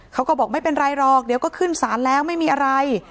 เขาก็บอกไม่เป็นไรหรอกเดี๋ยวก็ขึ้นศาลแล้วไม่มีอะไร